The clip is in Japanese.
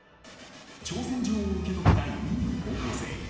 挑戦状を受け取った４人の高校生。